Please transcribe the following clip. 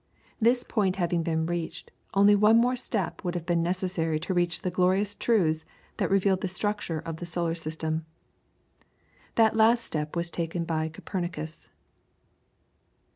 This point having been reached, only one more step would have been necessary to reach the glorious truths that revealed the structure of the solar system. That last step was taken by Copernicus.